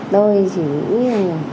tôi chỉ nghĩ là